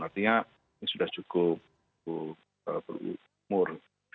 artinya ini sudah cukup berumur